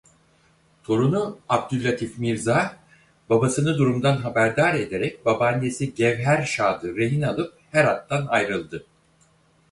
Torunu Abdüllatif Mirza babasını durumdan haber ederek babaannesi Gevher Şad'ı rehin alıp Herat'tan ayrıldı.